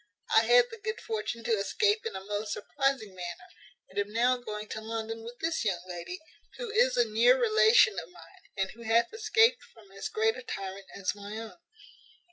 I had the good fortune to escape in a most surprizing manner, and am now going to London with this young lady, who is a near relation of mine, and who hath escaped from as great a tyrant as my own."